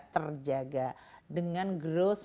terjaga dengan growth